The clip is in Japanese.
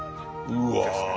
うわ。